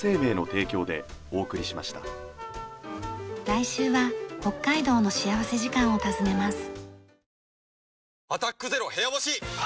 来週は北海道の幸福時間を訪ねます。